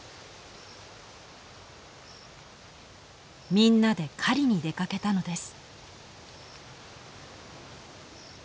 みんなで狩りに出かけたのです。